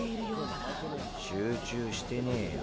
集中してねーよ。